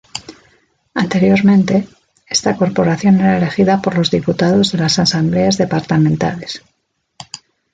Anteriormente, esta corporación era elegida por los diputados de las asambleas departamentales.